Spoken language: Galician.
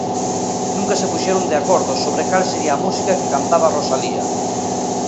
Nunca se puxeron de acordo sobre cal sería a música que cantaba Rosalía.